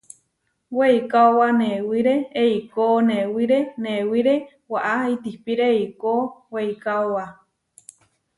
Weikaóba newiré eikó newiré newiré, waʼá itihpíre eikó weikaóba.